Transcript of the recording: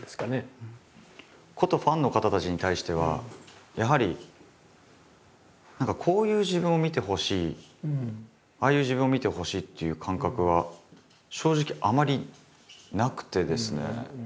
ことファンの方たちに対してはやはり何かこういう自分を見てほしいああいう自分を見てほしいっていう感覚は正直あまりなくてですね。